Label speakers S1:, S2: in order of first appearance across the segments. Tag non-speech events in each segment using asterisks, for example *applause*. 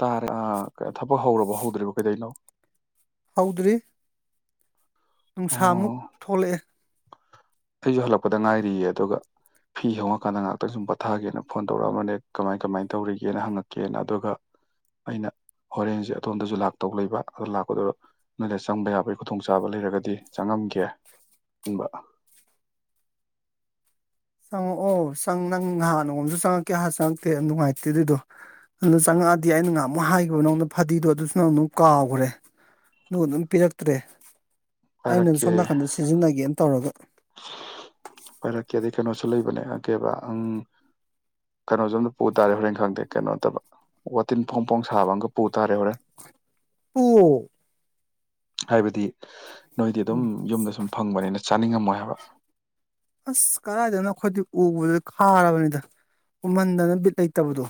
S1: ꯇꯥꯔꯦ ꯑ ꯊꯕꯛ ꯍꯧꯔꯕꯣ ꯍꯧꯗ꯭ꯔꯤꯕꯣ ꯀꯩꯗꯩꯅꯣ꯫
S2: ꯇꯧꯗ꯭ꯔꯤ ꯅꯨꯡꯁꯥꯑꯃꯨꯛ
S1: ꯑꯣ
S2: ꯊꯣꯛꯂꯛꯑꯦ꯫
S1: ꯑꯩꯁꯨ ꯍꯜꯂꯛꯄꯗ ꯉꯥꯏꯔꯤꯌꯦ ꯑꯗꯨꯒ꯫ ꯐꯤ ꯍꯣꯡꯉꯛꯀꯥꯟꯗ ꯉꯥꯏꯍꯥꯛꯇꯪ ꯁꯨꯝ ꯄꯣꯠꯊꯒꯦꯅ ꯐꯣꯟ ꯇꯧꯔꯛꯑꯝꯕꯅꯦ ꯀꯃꯥꯏ ꯀꯃꯥꯏꯅ ꯇꯧꯔꯤꯒꯦꯅ ꯍꯪꯉꯛꯀꯦꯅ ꯑꯗꯨꯒ ꯑꯩꯅ ꯍꯣꯔꯦꯟꯁꯦ ꯑꯗꯣꯝꯗꯁꯨ ꯂꯥꯛꯇꯧ ꯂꯩꯕ ꯑꯗꯨ ꯂꯥꯛꯄꯗꯣ꯫ ꯅꯣꯏꯗ ꯆꯪꯕ ꯌꯥꯕꯒꯤ ꯈꯨꯗꯣꯡꯆꯥꯕ ꯂꯩꯔꯒꯗꯤ ꯆꯪꯉꯝꯒꯦ ꯈꯟꯕ꯫
S2: ꯆꯪꯉꯛꯑꯣ ꯆꯪ ꯅꯪ ꯅꯍꯥꯟ ꯅꯣꯡꯃꯝꯁꯨ ꯆꯪꯉꯛꯀꯦ ꯍꯥꯏꯔ ꯆꯪꯉꯛꯇꯦ ꯑꯗꯨ ꯅꯨꯡꯉꯥꯏꯇꯦ ꯑꯗꯨꯏꯗꯣ꯫ ꯑꯗꯨꯗ ꯆꯪꯉꯛꯑꯗꯤ ꯑꯩꯅ ꯉꯥꯏꯍꯥꯃꯨꯛ ꯍꯥꯏꯈꯤꯕ ꯅꯪꯅ ꯐꯗꯤꯗꯣ ꯑꯗꯨꯁꯨ ꯅꯪꯅꯨꯛ ꯀꯥꯎꯈ꯭ꯔꯦ꯫ ꯑꯗꯨ ꯑꯗꯨꯝ ꯄꯤꯔꯛꯇ꯭ꯔꯦ ꯑꯩꯅ
S1: ꯄꯥꯏꯔꯛꯀꯦ
S2: ꯁꯣꯝ ꯅꯥꯀꯟꯗ ꯁꯤꯖꯤꯟꯅꯒꯦꯅ ꯇꯧꯔꯒ꯫
S1: ꯄꯔꯛꯀꯦꯗꯤ ꯀꯩꯅꯣꯁꯨ ꯂꯩꯕꯅꯦ ꯀꯦꯕ ꯀꯩꯅꯣꯁꯨꯝꯗ ꯄꯨ ꯇꯥꯔꯦ ꯍꯣꯔꯦꯟ ꯈꯪꯗꯦ ꯀꯩꯅꯣꯠꯇꯕ ꯋꯥꯇꯤꯟ ꯐꯣꯡ ꯐꯣꯡ ꯁꯥꯕ ꯑꯃꯒ ꯄꯨ ꯇꯥꯔꯦ ꯍꯣꯔꯦꯟ꯫
S2: ꯄꯨꯑꯣ꯫
S1: ꯍꯥꯏꯕꯗꯤ ꯅꯣꯏꯗꯤ ꯑꯗꯨꯝ ꯌꯨꯝꯗ ꯁꯨꯝ ꯐꯪꯕꯅꯤꯅ ꯆꯥꯅꯤꯡꯉꯝꯃꯣꯏ ꯍꯥꯏꯕ꯫
S2: ꯑꯁ ꯀꯥꯏꯗꯅ ꯑꯈꯣꯏ ꯎꯕꯗꯨꯗ ꯈꯥꯔꯕꯅꯤꯗ ꯎꯃꯟꯗꯅ ꯕꯤꯠ ꯂꯩꯇꯕꯗꯣ꯫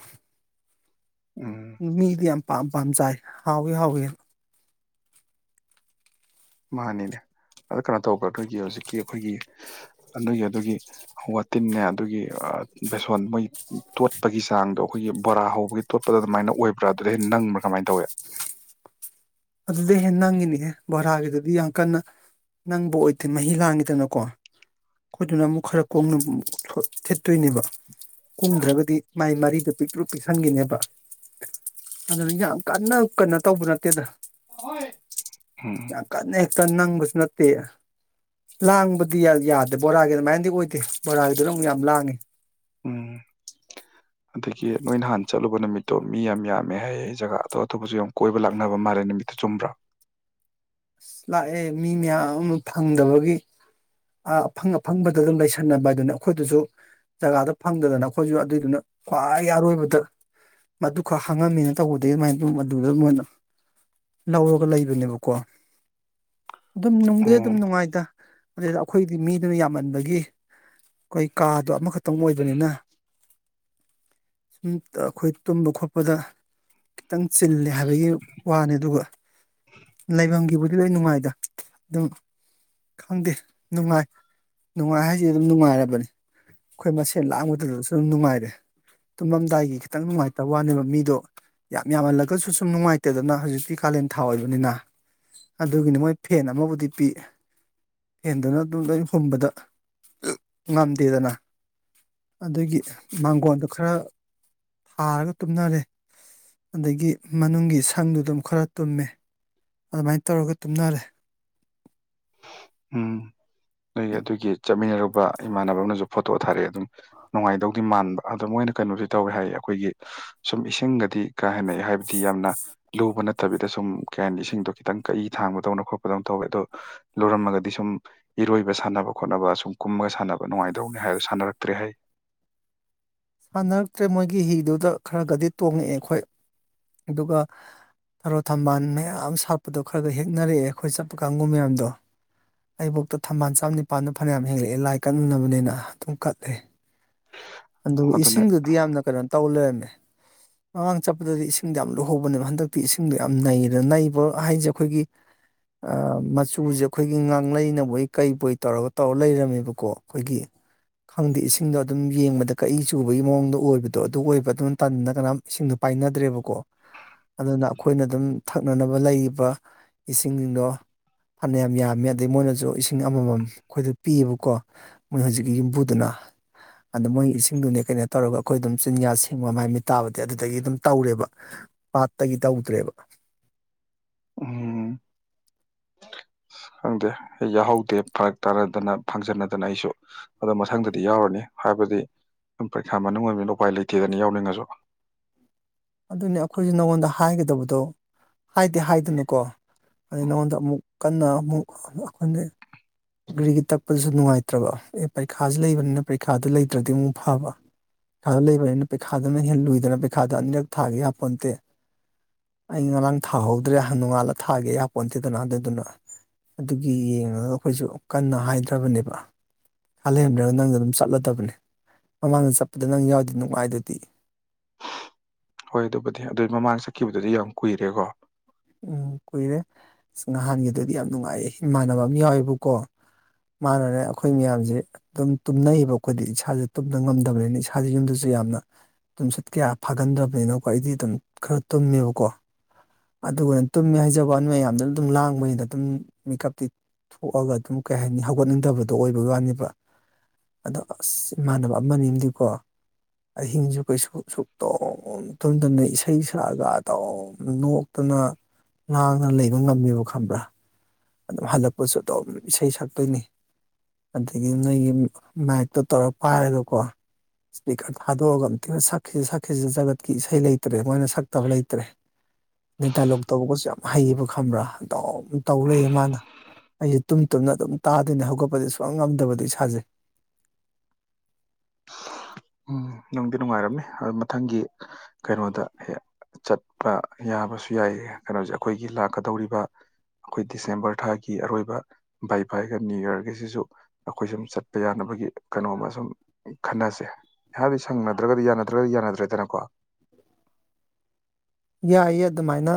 S1: ꯎꯝ
S2: ꯃꯤꯗꯤ ꯌꯥꯝ ꯄꯥꯝ ꯄꯥꯝ ꯆꯥꯏ ꯍꯥꯎꯋꯤ ꯍꯥꯎꯋꯤꯅ꯫
S1: ꯃꯥꯅꯤꯅꯦ ꯑ ꯀꯩꯅꯣ ꯇꯧꯕ꯭ꯔꯥ ꯑꯩꯈꯣꯏꯒꯤ ꯍꯧꯖꯤꯛꯀꯤ ꯑꯩꯈꯣꯏꯒꯤ ꯑꯗꯨꯒꯤ ꯑꯗꯨꯒꯤ꯫ ꯋꯥꯇꯤꯟꯅꯦ ꯑꯗꯨꯒꯤ ꯕꯦꯁꯣꯟ ꯃꯣꯏ ꯇꯣꯠꯄꯒꯤ ꯆꯥꯡꯗꯣ ꯑꯩꯈꯣꯏꯒꯤ ꯕꯣꯔꯥ ꯍꯧꯕꯒꯤ ꯇꯣꯠꯄꯗꯣ ꯑꯗꯨꯃꯥꯏꯅ ꯑꯣꯏꯕ꯭ꯔꯥ ꯑꯗꯨꯗ ꯍꯦꯟ ꯅꯪꯕ꯭ꯔꯥ ꯀꯃꯥꯏꯅ ꯇꯧꯋꯦ꯫
S2: ꯑꯗꯨꯗꯩ ꯍꯦꯟꯅ ꯅꯪꯉꯤꯅꯦꯍꯦ ꯕꯣꯔꯥꯒꯤꯗꯨꯗꯤ ꯌꯥꯝ ꯀꯟꯅ ꯅꯪꯕꯨ ꯑꯣꯏꯗꯦ ꯃꯍꯤ ꯂꯥꯡꯉꯤꯗꯅꯀꯣ꯫ ꯑꯩꯈꯣꯏꯗꯨꯅ ꯑꯃꯨꯛ ꯈꯔ ꯀꯨꯡꯅ ꯊꯤꯠꯇꯣꯏꯅꯦꯕ꯫ ꯀꯨꯝꯗ꯭ꯔꯒꯗꯤ ꯃꯥꯏ ꯃꯔꯤꯗ ꯄꯤꯛꯂꯨ ꯄꯤꯛꯁꯟꯈꯤꯅꯦꯕ ꯑꯗꯨꯅ ꯌꯥꯝ ꯀꯟꯅ ꯀꯟꯅꯣ ꯇꯧꯕ ꯅꯠꯇꯦꯗꯅ
S1: *unintelligible*
S2: ꯀꯦꯛ ꯅꯦ ꯅꯪꯒꯁꯨ ꯅꯠꯇꯦ ꯂꯥꯡꯕꯗꯤ ꯌꯥꯗꯦ ꯕꯣꯔꯥꯒꯤ ꯑꯗꯨꯃꯥꯏꯅꯗꯤ ꯑꯣꯏꯗꯦ ꯕꯣꯔꯥꯒꯤꯗꯨ ꯑꯃꯨꯛ ꯌꯥꯝ ꯂꯥꯡꯉꯦ
S1: ꯎꯝ
S2: *inaudible*
S1: ꯑꯗꯒꯤ ꯅꯣꯏ ꯅꯍꯥꯟ ꯆꯠꯂꯨꯕ ꯅꯨꯃꯤꯠꯇꯣ ꯃꯤ ꯌꯥꯝ ꯌꯥꯝꯃꯦ ꯍꯥꯏꯌꯦ ꯑꯩ ꯖꯒꯥ ꯑꯇꯣꯞ ꯑꯇꯣꯞꯄꯁꯨ ꯌꯥꯝ ꯀꯣꯏꯕ ꯂꯥꯛꯅꯕ ꯃꯥꯜꯂꯦ ꯅꯨꯃꯤꯠꯇꯨ ꯆꯨꯝꯕ꯭ꯔꯥ
S2: ꯂꯥꯛꯑꯦ ꯃꯤ ꯃꯌꯥꯝ ꯑꯃ ꯐꯪꯗꯕꯒꯤ ꯑ ꯑꯐꯪ ꯑꯐꯪꯕꯗ ꯑꯗꯨꯝ ꯂꯩꯁꯟꯅꯕ ꯍꯥꯏ ꯑꯗꯨꯅ ꯑꯩꯈꯣꯏꯗꯨꯁꯨ ꯖꯒꯥꯗ ꯐꯪꯗꯗꯅ ꯑꯩꯈꯣꯏꯁꯨ ꯑꯗꯨꯏꯗꯨꯅ ꯈ꯭ꯋꯥꯏ ꯑꯔꯣꯏꯕꯗ ꯃꯗꯨ ꯈꯔ ꯍꯥꯡꯉꯝꯃꯤꯅ ꯇꯧꯕꯗ ꯑꯗꯨꯃꯥꯏꯅ ꯑꯗꯨꯗ ꯃꯣꯏꯅ ꯂꯧꯔꯒ ꯂꯩꯕꯅꯦꯕꯀꯣ ꯑꯗꯨꯝ ꯅꯨꯡꯕꯨꯗꯤ
S1: ꯑꯣ
S2: ꯑꯗꯨꯝ ꯅꯨꯡꯉꯥꯏꯇ ꯑꯗꯨꯗ ꯑꯩꯈꯣꯏꯗꯤ ꯃꯤꯗꯨꯅ ꯌꯥꯝꯃꯟꯕꯒꯤ ꯑꯩꯈꯣꯏ ꯀꯥꯗꯣ ꯑꯃꯈꯛꯇꯪ ꯑꯣꯏꯕꯅꯤꯅ ꯑꯩꯈꯣꯏ ꯇꯨꯝꯕ ꯈꯣꯠꯄꯗ ꯈꯤꯇꯪ ꯆꯤꯜꯂꯦ ꯍꯥꯏꯕꯒꯤ ꯋꯥꯅꯤ ꯑꯗꯨꯒ ꯂꯩꯐꯝꯒꯤꯕꯨꯗꯤ ꯂꯣꯏ ꯅꯨꯡꯉꯥꯏꯗ ꯑꯗꯨꯝ ꯈꯪꯗꯦ ꯅꯨꯡꯉꯥꯏ ꯅꯨꯡꯉꯥꯏ ꯍꯥꯏꯁꯦ ꯑꯗꯨꯝ ꯅꯨꯡꯉꯥꯏꯔꯕꯅꯦ ꯑꯩꯈꯣꯏ ꯃꯁꯦꯟ ꯂꯥꯡꯕꯗꯨꯗꯁꯨ ꯑꯗꯨꯝ ꯅꯨꯡꯉꯥꯏꯔꯦ ꯇꯨꯝꯃꯝꯗꯥꯏꯒꯤ ꯈꯤꯇꯪ ꯅꯨꯡꯉꯥꯏꯇꯕ ꯋꯥꯅꯦꯕ ꯃꯤꯗꯣ ꯌꯥꯝ ꯌꯥꯝꯃꯜꯂꯒꯁꯨ ꯁꯨꯝ ꯅꯨꯡꯉꯥꯏꯇꯦꯗꯅ ꯍꯧꯖꯤꯛꯇꯤ ꯀꯥꯂꯦꯟ ꯊꯥ ꯑꯣꯏꯕꯅꯤꯅ ꯑꯗꯨꯒꯤꯅꯤ ꯃꯣꯏ ꯐꯦꯟ ꯑꯃꯕꯨꯗꯤ ꯄꯤ ꯍꯦꯟꯗꯅ ꯑꯗꯨꯝ ꯂꯣꯏ ꯍꯨꯝꯕꯗ ꯉꯝꯗꯦꯗꯅ ꯑꯗꯨꯒꯤ ꯃꯥꯡꯒꯣꯟꯗꯨ ꯈꯔ ꯊꯥꯔꯒ ꯇꯨꯝꯅꯔꯦ ꯑꯗꯒꯤ ꯃꯅꯨꯡꯒꯤ ꯁꯪꯗꯨ ꯑꯗꯨꯝ ꯈꯔ ꯇꯨꯝꯃꯦ ꯑꯗꯨꯃꯥꯏꯅ ꯇꯧꯔꯒ ꯇꯨꯝꯅꯔꯦ
S1: ꯎꯝ ꯑꯗꯨꯏ ꯑꯗꯨꯒꯤ ꯆꯠꯃꯤꯟꯅꯔꯨꯕ ꯏꯃꯥꯟꯅꯕꯅꯁꯨ ꯐꯣꯇꯣ ꯊꯥꯔꯛꯑꯦ ꯑꯗꯨꯝ ꯅꯨꯡꯉꯥꯏꯗꯧꯗꯤ ꯃꯥꯟꯕ ꯑꯗꯣ ꯃꯣꯏꯅ ꯀꯩꯅꯣꯁ ꯇꯧꯋꯦ ꯍꯥꯏꯌꯦ ꯑꯩꯈꯣꯏꯒꯤ ꯁꯨꯝ ꯏꯁꯤꯡꯒꯗꯤ ꯀꯥ ꯍꯟꯅ ꯍꯥꯏꯕꯗꯤ ꯌꯥꯝꯅ ꯂꯨꯕ ꯅꯠꯇꯕꯤꯗ ꯁꯨꯝ ꯀꯩ ꯍꯥꯏꯅꯤ ꯏꯁꯤꯡꯗꯣ ꯈꯤꯇꯪ ꯀꯛꯏ ꯊꯥꯡꯕꯗꯧꯅ ꯈꯣꯠꯄꯗꯧꯅ ꯇꯧꯋꯦ ꯑꯗꯣ ꯂꯨꯔꯃꯒ ꯗꯤ ꯁꯨꯝ ꯏꯔꯣꯏꯕ ꯁꯥꯟꯅꯕ ꯈꯣꯠꯅꯕ ꯁꯨꯝ ꯀꯨꯝꯃꯒ ꯁꯥꯟꯅꯕ ꯅꯨꯡꯉꯥꯏꯗꯧꯅꯦ ꯍꯥꯏꯣ ꯁꯥꯟꯅꯔꯛꯇ꯭ꯔꯦ ꯍꯥꯏ
S2: ꯁꯥꯟꯅꯔꯛꯇ꯭ꯔꯦ ꯃꯣꯏꯒꯤ ꯍꯤꯗꯨꯗ ꯈꯔꯒꯗꯤ ꯇꯣꯡꯉꯛꯑꯦ ꯑꯩꯈꯣꯏ ꯑꯗꯨꯒ ꯊꯔꯣ ꯊꯝꯕꯥꯜ ꯃꯌꯥꯝ ꯁꯥꯠꯄꯗꯣ ꯈꯔꯒ ꯍꯦꯛꯅꯔꯛꯑꯦ ꯑꯩꯈꯣꯏ ꯆꯠꯄ ꯀꯥꯡꯒꯕꯨ ꯃꯌꯥꯝꯗꯣ ꯑꯩꯕꯣꯛꯇ ꯊꯝꯕꯥꯜ ꯆꯥꯝ ꯅꯤꯄꯜꯗ ꯐꯅꯌꯥꯝ ꯍꯦꯜꯂꯛꯑꯦ ꯂꯥꯏ ꯀꯛꯅꯅꯕꯅꯤꯅ ꯑꯗꯨꯝ ꯀꯠꯂꯦ ꯑꯗꯨꯒ
S1: ꯑꯗꯨꯅ
S2: ꯏꯁꯤꯡꯗꯨꯗꯤ ꯌꯥꯝꯅ ꯀꯩꯅꯣ ꯇꯧ ꯂꯩꯔꯝꯃꯦ ꯃꯃꯥꯡ ꯆꯠꯄꯗꯗꯤ ꯏꯁꯤꯡꯗꯣ ꯌꯥꯝ ꯂꯨꯍꯧꯕꯅꯦꯕ ꯍꯟꯗꯛꯇꯤ ꯏꯁꯤꯡꯗꯣ ꯌꯥꯝ ꯅꯩꯗꯅ ꯅꯩꯕ ꯍꯥꯏꯁꯦ ꯑꯩꯈꯣꯏꯒꯤ ꯃꯆꯨꯁꯦ ꯑꯩꯈꯣꯏꯒꯤ ꯉꯥꯡꯂꯩꯅꯕꯣꯏ ꯀꯩꯕꯣꯏ ꯇꯧꯔꯒ ꯇꯧꯔ ꯂꯩꯔꯝꯃꯦꯕꯀꯣ ꯑꯩꯈꯣꯏꯒꯤ ꯈꯪꯗꯦ ꯏꯁꯤꯡꯗꯣ ꯑꯗꯨꯝ ꯌꯦꯡꯕꯗ ꯑꯗ ꯀꯛꯏ ꯆꯨꯕꯒꯤ ꯃꯑꯣꯡꯗꯣ ꯑꯣꯏꯕꯗꯣ ꯑꯗꯨ ꯑꯣꯏꯕ ꯑꯗꯨꯝ ꯇꯟꯅ ꯀꯅꯥꯝ ꯏꯁꯤꯡꯗꯣ ꯄꯥꯏꯅꯗ꯭ꯔꯦꯕꯀꯣ ꯑꯗꯨꯅ ꯑꯩꯈꯣꯏꯅ ꯑꯗꯨꯝ ꯊꯛꯅꯅꯕ ꯂꯩꯔꯤꯕ ꯏꯁꯤꯡꯗꯣ ꯐꯥꯅꯥ ꯌꯥꯝ ꯌꯥꯝꯃꯤ ꯑꯗꯩ ꯃꯣꯏꯅꯁꯨ ꯏꯁꯤꯡ ꯑꯃꯃꯝ ꯑꯩꯈꯣꯏꯗ ꯄꯤꯌꯦꯕꯀꯣ ꯃꯣꯏ ꯍꯧꯖꯤꯛꯀꯤ ꯌꯨꯝꯕꯨꯗꯨꯅ ꯑꯗꯥ ꯃꯣꯏ ꯏ ꯁꯤꯡꯗꯨꯅꯦ ꯀꯩꯅꯣ ꯇꯧꯔꯒ ꯑꯩꯈꯣꯏ ꯑꯗꯨꯝ ꯆꯤꯟꯌꯥ ꯁꯦꯡꯕ ꯃꯥꯏꯃꯤꯠ ꯇꯥꯕꯗꯤ ꯑꯗꯨꯗꯒꯤ ꯑꯗꯨꯝ ꯇꯧꯔꯦꯕ ꯄꯥꯠꯇꯒꯤ ꯇꯧꯗ꯭ꯔꯦꯕ
S1: ꯎꯝ ꯈꯪꯗꯦ ꯑꯩ ꯌꯥꯎꯍꯧꯗꯦ ꯐꯔꯛ ꯇꯥꯅꯗꯅ ꯐꯪꯖꯟꯅꯗꯅ ꯑꯩꯁꯨ ꯑꯗꯣ ꯃꯊꯪꯗꯗꯤ ꯌꯥꯎꯔꯅꯤ ꯍꯥꯏꯕꯗꯤ ꯄꯔꯤꯈꯥ ꯃꯅꯨꯡ ꯑꯣꯏꯕꯅꯤꯅ ꯎꯄꯥꯏ ꯂꯩꯇꯦꯗꯅ ꯌꯥꯎꯅꯤꯡꯉꯁꯨ
S2: ꯑꯗꯨꯅꯤ ꯑꯩꯈꯣꯏꯁꯨ ꯅꯪꯉꯣꯟꯗ ꯍꯥꯏꯒꯗꯕꯗꯣ ꯍꯥꯏꯗꯤ ꯍꯥꯏꯗꯅꯀꯣ ꯑꯗꯩ ꯅꯉꯣꯟꯗ ꯑꯃꯨꯛ ꯀꯟꯅ ꯑꯃꯨꯛ ꯑꯩꯈꯣꯏꯅ ꯒꯔ꯭ꯤ ꯒꯔꯤ ꯇꯛꯄꯗꯨꯁꯨ ꯅꯨꯡꯉꯥꯏꯇ꯭ꯔꯕ ꯑꯦ ꯄꯔꯤꯈꯥꯥꯁ ꯂꯩꯕꯅꯤꯅ ꯄꯔꯤꯈꯥꯗꯨ ꯂꯩꯇ꯭ꯔꯗꯤ ꯑꯃꯨꯛ ꯐꯕ ꯄꯩꯈꯥ ꯂꯩꯕꯅꯤꯅ ꯄꯩꯈꯥꯗꯅ ꯍꯦꯟꯅ ꯂꯨꯏꯗꯅ ꯄꯩꯈꯥꯗꯣ ꯑꯅꯤꯔꯛ ꯊꯥꯒꯦ ꯌꯥꯄꯣꯟꯇꯦ ꯑꯩ ꯉꯔꯥꯡ ꯊꯥꯍꯧꯗ꯭ꯔꯦ ꯅꯣꯡꯉꯜꯂꯥ ꯊꯥꯒꯦ ꯌꯥꯄꯣꯟꯇꯦꯗꯅ ꯑꯗꯨꯗꯨꯅ ꯑꯗꯨꯒꯤ ꯌꯦꯡꯉꯒ ꯑꯩꯈꯣꯏꯁꯨ ꯀꯟꯅ ꯍꯥꯏꯗ꯭ꯔꯕꯅꯦꯕ ꯄꯩꯈꯥ ꯂꯩꯔꯝꯗ꯭ꯔꯒ ꯅꯪ ꯑꯗꯨꯝ ꯆꯠꯂꯗꯕꯅꯦ ꯃꯃꯥꯡꯗ ꯆꯠꯄꯗ ꯅꯪ ꯌꯥꯎꯗꯨꯗꯤ ꯅꯨꯡꯉꯥꯏꯗꯨꯗꯤ
S1: ꯍꯣꯏ ꯑꯗꯨꯕꯨꯗꯤ ꯑꯗꯨ ꯃꯃꯥꯡꯗ ꯆꯠꯈꯤꯕꯗꯨꯗꯤ ꯌꯥꯝ ꯀꯨꯏꯔꯦꯀꯣ
S2: ꯎꯝ ꯀꯨꯏꯔꯦ ꯑꯁ ꯅꯍꯥꯟꯒꯤꯗꯨꯗꯤ ꯌꯥꯝ ꯅꯨꯡꯉꯥꯏꯌꯦ ꯏꯃꯥꯟꯅꯕ ꯑꯃ ꯌꯥꯎꯋꯦꯕꯀꯣ ꯃꯥꯅꯅꯦ ꯑꯩꯈꯣꯏ ꯃꯌꯥꯝꯁꯤ ꯑꯗꯨꯝ ꯇꯨꯝꯅꯩꯕ ꯑꯩꯈꯣꯏꯗꯤ ꯏꯁꯥꯁꯦ ꯇꯨꯝꯗꯥ ꯉꯝꯗꯕꯅꯤꯅ ꯏꯁꯥꯁꯦ ꯌꯨꯝꯗꯁꯨ ꯌꯥꯝꯅ ꯌꯨꯝꯆꯠ ꯀꯌꯥ ꯐꯥꯒꯟꯗ꯭ꯔꯕꯅꯤꯅꯀꯣ ꯑꯩꯗꯤ ꯑꯗꯨꯝ ꯈꯔ ꯇꯨꯝꯃꯦꯕꯀꯣ ꯑꯗꯨꯒꯅ ꯇꯨꯝꯃꯦ ꯍꯥꯏꯖꯕ ꯑꯅꯤ ꯃꯌꯥꯝꯗꯨꯅ ꯑꯗꯨꯝ ꯂꯥꯡꯕꯒꯤꯗ ꯑꯗꯨꯝ ꯃꯤꯀꯞꯇꯤ ꯊꯣꯛꯑꯒ ꯑꯗꯨꯝ ꯀꯩ ꯍꯥꯏꯅꯤ ꯍꯧꯒꯠꯅꯤꯡꯗꯕꯗꯣ ꯑꯣꯏꯕ ꯋꯥꯅꯦꯕ ꯑꯗꯣ ꯑꯁ ꯏꯃꯥꯟꯅꯕ ꯑꯃ ꯑꯅꯤꯃꯥꯗꯤꯀꯣ ꯑꯍꯤꯡꯁꯨ ꯀꯩꯁꯨ ꯑ ꯁꯨꯛ ꯇꯨꯝ ꯇꯨꯝꯗꯥꯃꯦ ꯏꯁꯩ ꯁꯛꯑꯒ ꯑꯗꯨꯝ ꯅꯣꯛ ꯑꯗꯨꯨꯅ ꯂꯥꯡꯅ ꯂꯩꯕ ꯉꯝꯃꯦꯕ ꯈꯪꯕ꯭ꯔꯥ ꯑꯗꯨꯝ ꯍꯜꯂꯛꯄꯁꯨ ꯑꯗꯨꯝ ꯏꯁꯩ ꯁꯛꯇꯣꯏꯅꯤ ꯑꯗꯒꯤ ꯅꯣꯏꯒꯤ ꯃꯥꯏꯛꯇꯣ ꯇꯧꯔꯒ ꯄꯥꯏꯔꯒꯥꯀꯣ ꯏꯁꯄꯤꯀꯔ ꯊꯥꯗꯣꯛꯑꯒ ꯌꯥꯝ ꯊꯤꯅꯥ ꯁꯛꯈꯤꯁꯤ ꯁꯛꯈꯤꯁꯤꯅꯥ ꯖꯒꯠꯀꯤ ꯏꯁꯩ ꯂꯩꯇ꯭ꯔꯦ ꯃꯣꯏꯅ ꯁꯛꯇꯕ ꯂꯩꯇ꯭ꯔꯦ ꯑꯗ ꯗꯥꯏꯂꯣꯛ ꯇꯧꯕꯒꯁꯨ ꯌꯥꯝ ꯍꯩꯌꯦꯕ ꯈꯪꯕꯔꯥ ꯑꯗꯨꯝ ꯇꯧ ꯂꯩꯌꯦ ꯏꯃꯥꯅ ꯑꯩꯁꯦ ꯇꯨꯝ ꯇꯨꯝꯅ ꯑꯗꯨꯝ ꯇꯥꯗꯣꯏꯅꯦ ꯍꯧꯒꯠꯄꯗꯤ ꯁꯨꯡꯉꯥꯝ ꯉꯝꯗꯕꯗꯣ ꯏꯁꯥꯖꯦ
S1: ꯎꯝ ꯅꯪꯗꯤ ꯅꯨꯡꯉꯥꯏꯔꯝꯅꯤ ꯑꯗꯨ ꯃꯊꯪꯒꯤ ꯀꯩꯅꯣꯗ ꯍꯦꯛ ꯆꯠꯄ ꯌꯥꯕꯁꯨ ꯌꯥꯏ ꯀꯩꯅꯣꯁꯦ ꯑꯩꯈꯣꯏꯒꯤ ꯂꯥꯛꯀꯗꯧꯔꯤꯕ ꯑꯩꯈꯣꯏ ꯗꯤꯁꯦꯝꯕꯔ ꯊꯥꯒꯤ ꯑꯔꯣꯏꯕ ꯕꯥꯏ ꯕꯥꯏꯒ ꯅ꯭ꯌꯨ ꯌꯔꯒꯤꯁꯤꯁꯨ ꯑꯩꯈꯣꯏ ꯁꯨꯝ ꯆꯠꯄ ꯌꯥꯅꯕꯒꯤ ꯀꯩꯅꯣꯝꯃ ꯁꯨꯝ ꯈꯟꯅꯁꯦ ꯍꯥꯏꯕꯗꯤ ꯁꯪꯅꯗ꯭ꯔꯒꯗꯤ ꯌꯥꯅꯗ꯭ꯔꯒꯗꯤ ꯌꯥꯅꯗ꯭ꯔꯦꯗꯅꯀꯣ
S2: ꯌꯥꯏꯌꯦ ꯑꯗꯨꯃꯥꯏꯅ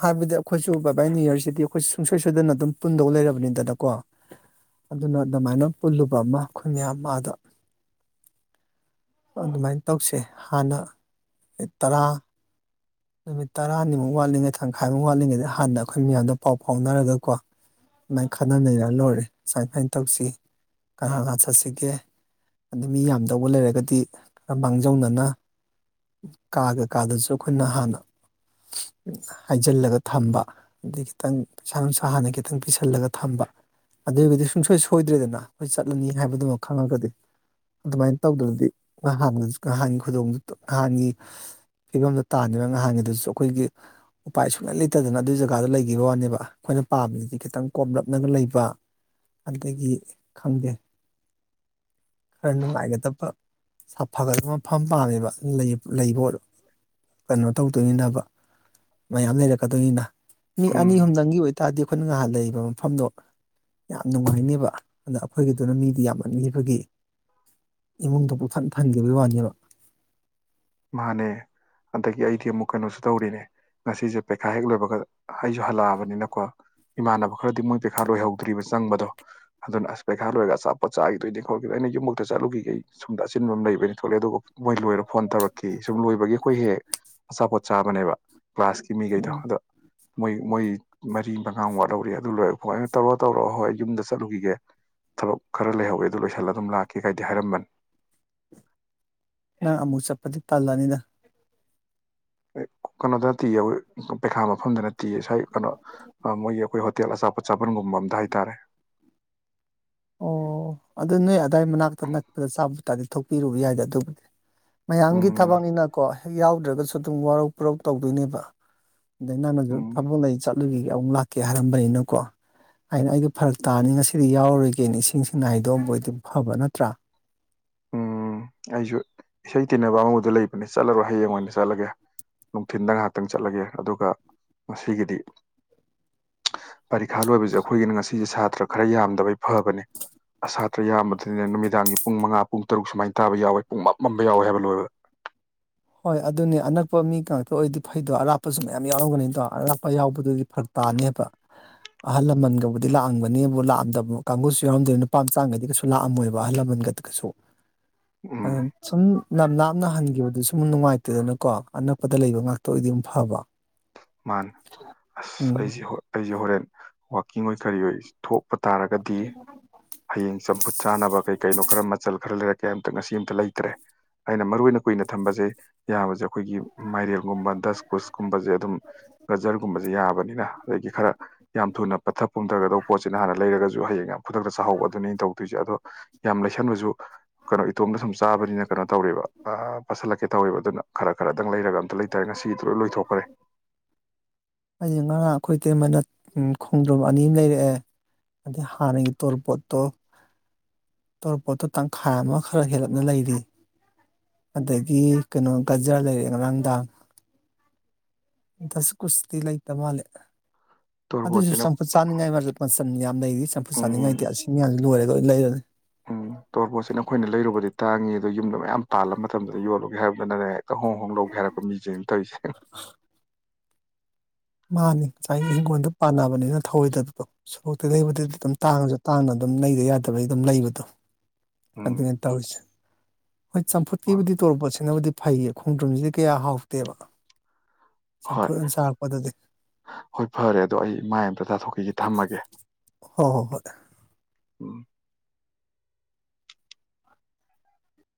S2: ꯍꯥꯏꯕꯗꯤ ꯑꯩꯈꯣꯏꯁꯨ ꯕꯥ ꯕꯥꯏ ꯅꯤꯨ ꯌꯔꯁꯤꯗꯤ ꯑꯩꯈꯣꯏ ꯁꯨꯡꯁꯣꯏ ꯁꯣꯏꯗꯅ ꯑꯗꯨꯝ ꯄꯨꯟꯗꯧ ꯂꯩꯔꯕꯅꯤꯗꯅꯀꯣ ꯑꯗꯨꯅ ꯑꯗꯨꯃꯥꯏꯅ ꯄꯨꯜꯂꯨꯕ ꯑꯃ ꯑꯩꯈꯣꯏ ꯃ ꯃꯥꯗ ꯑꯗꯨꯃꯥꯏꯅ ꯇꯧꯁꯦ ꯍꯥꯟꯅ ꯇꯔꯥ ꯅꯨꯃꯤꯠ ꯇꯔꯥꯅꯤꯃꯨꯛ ꯋꯥꯠꯂꯤꯉꯩ ꯊꯥꯈꯥꯏꯃꯨꯛ ꯋꯥꯠꯂꯤꯉꯩꯗ ꯍꯥꯟꯅ ꯑꯩꯈꯣꯏ ꯃꯌꯥꯝꯗ ꯄꯥꯎ ꯐꯥꯎꯅꯔꯒ ꯀꯣ ꯁꯨꯃꯥꯏꯅ ꯈꯟꯅ ꯅꯩꯅꯔ ꯂꯣꯏꯔꯦ ꯁꯨꯃꯥꯏꯅ ꯁꯨꯃꯥꯏꯅ ꯇꯧꯁꯤ ꯀꯅꯥ ꯀꯅꯥ ꯆꯠꯁꯤꯒꯦ ꯑꯗ ꯃꯤ ꯌꯥꯝꯗꯧꯕ ꯂꯩꯔꯒꯗꯤ ꯈꯔ ꯃꯥꯡꯖꯧꯅꯅ ꯀꯥꯒ ꯀꯥꯗꯁꯨ ꯑꯩꯈꯣꯏꯅ ꯍꯥꯟꯅ ꯍꯥꯏꯖꯤꯜꯂꯒ ꯊꯝꯕ ꯑꯗꯩ ꯈꯤꯇꯪ ꯄꯩꯁꯥ ꯅꯨꯡꯁꯥ ꯍꯥꯟꯅ ꯈꯤꯇꯪ ꯄꯤꯁꯜꯂꯒ ꯊꯝꯕ ꯑꯗꯨ ꯑꯣꯏꯔꯒꯗꯤ ꯁꯨꯡꯁꯣꯏ ꯁꯣꯏꯗ꯭ꯔꯦꯗꯅ ꯑꯩꯈꯣꯏ ꯆꯠꯂꯅꯤ ꯍꯥꯏꯕꯗꯨꯃ ꯈꯪꯉꯒꯗꯤ ꯑꯗꯨꯃꯥꯏꯅ ꯇꯧꯗꯔꯥꯗꯤ ꯅꯍꯥꯟꯅ ꯅꯍꯥꯟꯒꯤ ꯈꯨꯗꯣꯡ ꯅꯍꯥꯟꯒꯤ ꯐꯤꯕꯝꯗ ꯇꯥꯗꯅ ꯉꯍꯥꯟꯒꯤꯗꯨꯁꯨ ꯑꯩꯈꯣꯏꯒꯤ ꯎꯄꯥꯏ ꯁꯨꯡꯂꯩ ꯂꯩꯇꯗꯅ ꯑꯗꯨꯒꯤ ꯖꯒꯥꯗ ꯂꯩꯈꯤꯕ ꯋꯥꯅꯦꯕ ꯑꯩꯈꯣꯏꯅ ꯄꯥꯝꯃꯤꯗꯗꯤ ꯈꯤꯇꯪ ꯀꯣꯝꯂꯞꯅꯒ ꯂꯩꯕ ꯑꯗꯒꯤ ꯈꯪꯗꯦ ꯈꯔ ꯅꯨꯡꯉꯥꯏꯒꯗꯕꯐꯒꯗꯕ ꯃꯐꯝ ꯄꯥꯝꯃꯦꯕ ꯂꯩꯕ ꯑꯣꯏꯔꯣ ꯀꯩꯅꯣ ꯇꯧꯗꯣꯏꯅꯤꯅꯕ ꯃꯌꯥꯝ ꯂꯩꯔꯛꯀꯗꯣꯏꯅꯤꯅ ꯃꯤ ꯑꯅꯤ
S1: ꯎꯝ
S2: ꯑꯨꯝꯗꯪꯒꯤ ꯑꯣꯏ ꯇꯇꯥꯔꯗꯤ ꯑꯩꯈꯣꯏꯅ ꯉꯍꯥꯟ ꯂꯩꯔꯤꯕ ꯃꯐꯝꯗꯣ ꯌꯥꯝ ꯅꯨꯡꯉꯥꯏꯅꯦꯕ ꯑꯗ ꯑꯩꯈꯣꯏꯒꯤꯗꯨꯅ ꯃꯤꯗꯤ ꯌꯥꯝꯃꯕꯤꯕꯒꯤ ꯏꯃꯨꯡꯗꯣ ꯄꯛꯊꯠ ꯊꯍꯟꯈꯤꯕꯒꯤ ꯋꯥꯅꯦꯕ
S1: ꯃꯥꯅꯦ ꯑꯗꯒꯤ ꯑꯩꯗꯤ ꯑꯃꯨꯛ ꯀꯩꯅꯣꯁꯨ ꯇꯧꯔꯤꯅꯦ ꯉꯁꯤꯁꯦ ꯄꯩꯈꯥ ꯍꯦꯛ ꯂꯣꯏꯕꯒ ꯑꯩꯁꯨ ꯍꯜꯂꯛꯑꯕꯅꯤꯅꯀꯣ ꯏꯃꯥꯟꯅꯕ ꯈꯔꯗꯤ ꯃꯣꯏ ꯄꯩꯈꯥ ꯂ ꯑꯣꯏꯍꯧꯗ꯭ꯔꯤꯕ ꯆꯪꯕꯗꯣ ꯑꯗꯨꯅ ꯑꯁ ꯄꯩꯈꯥ ꯂꯣꯏꯔꯒ ꯆꯞꯄ ꯆꯥꯈꯤꯗꯣꯏꯅꯦ ꯈꯔꯈꯤꯗꯣꯏ ꯑꯩꯅ ꯌꯨꯝꯃꯛꯇ ꯆꯠꯂꯨꯈꯤꯈꯩ ꯁꯣꯨꯝꯗ ꯑꯆꯤꯟꯕ ꯑꯃ ꯂꯩꯕꯅꯤ ꯊꯣꯛꯂꯦ ꯑꯗꯨꯒ ꯃꯣꯏ ꯂꯣꯏꯔ ꯐꯣꯟ ꯇꯧꯔꯛꯀꯦ ꯀꯤ ꯁꯨꯝ ꯂꯣꯏꯕꯒꯤ ꯑꯩꯈꯣꯏ ꯍꯦꯛ ꯍꯦꯛ ꯑꯆꯥꯄꯣꯠ ꯆꯥꯕꯅꯦꯕ ꯀ꯭ꯂꯒꯥꯁꯀꯤ ꯃꯤꯈꯩꯗꯣ
S2: ꯑꯣ
S1: ꯑꯗꯣ ꯃꯣꯏ ꯃꯣꯏ ꯃꯔꯤ ꯃꯉꯥ ꯋꯥꯠꯍꯧꯔꯤ ꯑꯗꯨ ꯂꯣꯏꯔꯦ ꯑꯩꯈꯣꯏ ꯑꯩꯅ ꯇꯧꯔ ꯇꯧꯔꯛꯑꯣ ꯍꯣꯏ ꯑꯩ ꯌꯨꯝꯗ ꯆꯠꯂꯨꯈꯤꯒꯦ ꯊꯕꯛ ꯈꯔ ꯂꯩꯍꯧꯋꯦ ꯑꯗꯨ ꯂꯣꯏꯁꯜꯂ ꯑꯗꯨꯝ ꯂꯥꯛꯀꯦ ꯀꯥꯏꯗꯤ ꯍꯥꯏꯔꯝꯕꯅꯤ
S2: ꯅꯪ ꯑꯃꯨꯛ ꯆꯠꯄꯗꯤ ꯇꯜꯂꯅꯤꯗ
S1: ꯀꯩꯅꯣꯗ ꯅꯇꯤꯌꯦ ꯑꯣꯏ ꯄꯩꯈꯥ ꯃꯐꯝꯗ ꯅꯇꯤꯌꯦ ꯁ꯭ꯋꯥꯏ ꯀꯩꯅꯣ ꯑ ꯃꯣꯏꯒꯤ ꯑꯩꯈꯣꯏ ꯍꯣꯇꯦꯜ ꯑꯆꯥꯄꯣꯠ ꯆꯥꯕꯟꯒꯨꯝꯕ ꯑꯝꯗ ꯍꯥꯏꯇꯥꯔꯦ
S2: ꯑꯣ ꯑꯗꯨ ꯅꯣꯏ ꯑꯗꯥꯏ ꯃꯅꯥꯛꯇ ꯅꯛꯄꯗ ꯆꯥꯕ ꯇꯥꯔꯗꯤ ꯊꯣꯛꯄꯤꯔꯨꯕ ꯌꯥꯏꯗ ꯑꯗꯨꯕꯨꯗꯤ ꯃꯌꯥꯝꯒꯤ
S1: ꯎꯝ
S2: ꯊꯕꯛꯅꯤꯅꯀꯣ ꯍꯦꯛ ꯌꯥꯎꯗ꯭ꯔꯒꯁꯨ ꯑꯗꯨꯝ ꯋꯥꯔꯧ ꯄꯨꯔꯧ ꯇꯧꯗꯣꯏꯅꯦꯕ ꯑꯗꯩ ꯅꯪꯅꯁꯨ
S1: ꯎꯝ
S2: ꯊꯕꯛ ꯂꯩ ꯆꯠꯂꯨꯒꯤꯒꯦ ꯑꯃꯨꯛ ꯂꯥꯛ ꯀꯦ ꯍꯥꯏꯔꯝꯕꯅꯤꯅꯀꯣ ꯑꯩꯅ ꯑꯩꯗꯣ ꯐꯔꯛ ꯇꯥꯅꯤ ꯉꯁꯤꯗꯤ ꯌꯥꯎꯔꯣꯏ ꯒꯦ ꯏꯁꯦꯡꯅ ꯍꯥꯏꯗꯣꯛ ꯑꯝꯕ ꯑꯣꯏꯗꯤ ꯐꯕ ꯅꯠꯇ꯭ꯔꯥ
S1: ꯎꯝ ꯑꯩꯁꯨ ꯏꯁꯩ ꯇꯤꯟꯅꯕ ꯑꯃꯕꯨꯗ ꯂꯩꯕꯅꯦ ꯆꯠꯂꯔꯣꯏ ꯍꯌꯦꯡ ꯑꯣꯏꯅ ꯆꯠꯂꯒꯦ ꯅꯨꯡꯊꯤꯟꯗ ꯉꯥꯏꯍꯥꯛꯇꯪ ꯆꯠꯂꯒꯦ ꯑꯗꯨꯒ ꯉꯁꯤꯒꯤꯗꯤ ꯄꯔꯤꯈꯥ ꯂꯣꯏꯕꯁꯦ ꯑꯩꯈꯣꯏꯒꯤꯅ ꯉꯁꯤꯁꯦ ꯁꯥꯇ꯭ꯔ ꯈꯔ ꯌꯥꯝꯗꯕꯩ ꯐꯕꯅꯦ ꯑ ꯁꯥꯇ꯭ꯔ ꯌꯥꯝꯕꯗꯨꯅꯤꯅ ꯅꯨꯃꯤꯗꯥꯡꯒꯤ ꯄꯨꯡ ꯃꯉꯥ ꯄꯨꯡ ꯇꯔꯨꯛ ꯁꯨꯃꯥꯏ ꯇꯥꯕ ꯌꯥꯎꯋꯦ ꯄꯨꯡ ꯃꯃꯝꯕ ꯌꯥꯎꯋꯦ ꯍꯥꯏꯕ ꯂꯣꯏꯕ
S2: ꯍꯣꯏ ꯑꯗꯨꯅꯤ ꯑꯅꯛꯄ ꯃꯤ ꯉꯥꯛꯇ ꯑꯣꯏꯔꯗꯤ ꯐꯩꯗꯣ ꯑꯔꯥꯞꯄꯁꯨ ꯃꯌꯥꯝ ꯌꯥꯎꯔꯝꯒꯅꯤꯗꯣ ꯑꯔꯥꯞꯄ ꯌꯥꯎꯕꯗꯨꯗꯤ ꯐꯔꯛ ꯇꯥꯅꯦꯕ ꯑꯍꯜ ꯂꯃꯟꯒꯕꯨꯗꯤ ꯂꯥꯛꯑꯝꯕꯅꯤꯕꯨ ꯂꯥꯛꯑꯝꯗꯕ ꯀꯥꯡꯒꯨꯁꯨ ꯌꯥꯎꯔꯝꯗꯣꯏ ꯅꯨꯄꯥ ꯃꯆꯥꯥꯡꯒꯩꯗꯤ ꯀꯩꯁꯨ ꯂꯥꯛꯑꯃꯣꯏꯕ ꯑꯍꯜ ꯂꯃꯟꯒꯗꯤ
S1: ꯎꯝ
S2: ꯁꯨꯝ ꯅꯝ ꯂꯥꯞꯅ ꯍꯟꯈꯤꯕꯗꯨꯁꯨ ꯅꯨꯡꯉꯥꯏꯇꯦꯗꯅꯀꯣ ꯑꯅꯛꯄꯗ ꯂꯩꯕ ꯉꯥꯛꯇ ꯑꯣꯏꯗꯤ ꯑꯃꯨꯛ ꯐꯕ
S1: ꯃꯥꯅꯦ ꯑꯁ
S2: ꯎꯝ
S1: ꯑꯩꯁꯦ ꯑꯩꯁꯦ ꯍꯣꯔꯦꯟ ꯋꯥꯛꯀꯤꯡ ꯑꯣꯏ ꯀꯔꯤ ꯑꯣꯏ ꯊꯣꯛ ꯄ ꯇꯥꯔꯒꯗꯤ ꯍꯌꯦꯡ ꯆꯝꯐꯨꯠ ꯆꯥꯅꯕ ꯀꯩ ꯀꯩꯅꯣ ꯈꯔ ꯃꯆꯜ ꯈꯔ ꯂꯩꯔꯛꯀꯦ ꯑꯃꯇ ꯉꯁꯤ ꯑꯃꯝꯇ ꯂꯩꯇ꯭ꯔꯦ ꯑꯩꯅ ꯃꯔꯨ ꯑꯣꯏꯅ ꯀꯨꯏꯅ ꯊꯝꯕꯁꯦ ꯌꯥꯕꯁꯦ ꯑꯩꯈꯣꯏꯒꯤ ꯃꯥꯏꯔꯦꯜꯒꯨꯝꯕ ꯗꯁ ꯀꯨꯁꯀꯨꯝꯕꯁꯦ ꯑꯗꯨꯝ ꯖꯔꯒꯨꯝꯕꯁꯦ ꯌꯥꯕꯅꯤꯅ ꯑꯗꯒꯤ ꯈꯔ ꯌꯥꯝ ꯊꯨꯅ ꯄꯠꯊ ꯄꯨꯝꯊꯒꯗꯧꯕ ꯄꯣꯠꯁꯤꯅ ꯍꯥꯟꯅ ꯂꯩꯔꯒꯁꯨ ꯍꯌꯦꯡ ꯈꯨꯗꯛꯇ ꯆꯥꯍꯧꯕ ꯑꯗꯨꯅꯤ ꯑꯩ ꯇꯧꯗꯣꯏꯁꯦ ꯑꯗꯣ ꯌꯥꯝ ꯂꯩꯁꯟꯕꯁꯨ ꯀꯩꯅꯣ ꯏꯇꯣꯝꯗ ꯁꯨꯝ ꯆꯥꯕꯅꯤꯅ ꯀꯩꯅꯣ ꯇꯧꯔꯦꯕ ꯑꯥ ꯄꯥꯁꯤꯜꯂꯛꯀꯦ ꯇꯧꯋꯦꯕ ꯑꯗꯨꯅ ꯈꯔ ꯈꯔꯗꯪ ꯂꯩꯔꯒ ꯑꯝꯇ ꯂꯩꯇꯥꯔꯦ ꯉꯁꯤꯗꯤ ꯂꯣꯏ ꯂꯣꯏꯊꯣꯛꯈꯔꯦ
S2: ꯑꯩꯁꯦ ꯉꯔꯥꯡ ꯑꯩꯈꯣꯏ ꯏꯇꯩꯃꯅ ꯈꯣꯡꯗ꯭ꯔꯝ ꯑꯅꯤꯝ ꯂꯩꯔꯛꯑꯦ ꯑꯗꯩ ꯍꯥꯟꯅꯒꯤ ꯇꯣꯔꯄꯣꯠꯇꯣ ꯇꯧꯔꯛꯄꯣꯠꯇꯣ ꯇꯪꯈꯥꯏ ꯑꯃ ꯈꯔ ꯍꯦꯜꯂꯞꯅ ꯂꯩꯔꯤ ꯑꯗꯒꯤ ꯀꯩꯅꯣ ꯒꯖꯔ ꯂꯩꯔꯛꯑꯦ ꯉꯔꯥꯡ ꯗꯥꯡ ꯗꯁ ꯀꯨꯁꯇꯤ ꯂꯩꯇ ꯃꯥꯂꯦ ꯑꯗꯨꯁꯨ
S1: ꯇꯣꯔꯕꯣꯠꯁꯤꯅ
S2: ꯆꯝꯐꯨꯠ ꯆꯥꯅꯤꯡꯉꯥꯏ ꯃꯆꯜ ꯌꯥꯝ ꯂꯩꯔꯤ ꯆꯝꯐꯨꯠ
S1: ꯎꯝ
S2: ꯆꯥꯅꯤꯡꯉꯥꯏꯗꯤ ꯑꯁꯤ ꯃꯌꯥꯝꯁꯤ ꯂꯣꯏꯔꯒ ꯑꯣꯏ ꯂꯩꯔꯅꯤ
S1: ꯎꯝ ꯇꯣꯔꯕꯣꯠꯁꯤꯅ ꯑꯩꯈꯣꯏꯅ ꯂꯩꯔꯨꯕꯗꯤ ꯇꯥꯡꯉꯤ ꯑꯗꯣ ꯌꯨꯝꯗꯣ ꯃꯌꯥꯝ ꯄꯥꯜꯂ ꯃꯇꯝꯗ ꯌꯣꯜꯂꯨꯒꯦ ꯍꯥꯏꯕꯗꯨꯗꯅꯅꯦ ꯇ ꯍꯣꯡ ꯍꯣꯡ ꯂꯧꯒꯦ ꯍꯥꯏꯔꯛꯄ ꯃꯤꯁꯦꯡꯅ ꯇꯧꯔꯤꯁꯦ
S2: ꯃꯥꯅꯤ ꯉꯁꯥꯏꯒꯤ ꯏꯪꯡꯈꯣꯜꯗ ꯄꯥꯟꯅꯕꯅꯤꯅ ꯊꯧꯑꯣꯏꯗꯕꯗꯣ ꯁꯣꯔꯣꯛꯇ ꯂꯩꯕꯗꯗꯤ ꯑꯗꯨꯝ ꯇꯥꯡꯉꯁꯨ ꯇꯥꯡꯅ ꯑꯗꯨꯝ ꯂꯩꯗ ꯌꯥꯗꯕꯒꯤ ꯑꯗꯨꯝ ꯂꯩꯕꯗꯣ
S1: ꯎꯝ
S2: ꯑꯗꯨꯅꯦ ꯇꯧꯔꯤꯁꯦ ꯍꯣꯏ ꯆꯝꯐꯨꯠꯀꯤꯕꯨꯗꯤ ꯇꯧꯔꯄꯣꯠꯁꯤꯅꯕꯨꯗꯤ ꯐꯩꯌꯦ ꯈꯣꯡꯗ꯭ꯔꯨꯝꯁꯤꯗꯤ ꯀꯌꯥ ꯍꯥꯎꯇꯦꯕ
S1: ꯍꯣꯏ
S2: ꯆꯝꯐꯨꯠ ꯑꯣꯏꯅ ꯆꯥꯔꯛꯄꯗꯗꯤ
S1: ꯍꯣꯏ ꯐꯔꯦ ꯑꯗꯣ ꯑꯩ ꯃꯥꯏ ꯑꯝꯇ ꯇꯥꯊꯣꯛꯈꯤꯒꯦ ꯊꯝꯃꯒꯦ
S2: ꯍꯣ ꯍꯣ ꯍꯣꯏ
S1: ꯎꯝ